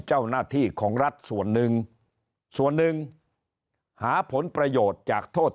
เจ้าหน้าที่ของรัฐส่วนหนึ่งส่วนหนึ่งหาผลประโยชน์จากโทษ